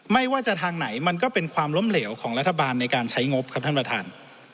ไม่ว่าจะทางไหนมันก็เป็นความล้มเหลวของรัฐบาลในการใช้งบครับท่านประธาน